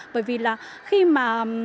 bởi vì là khi mà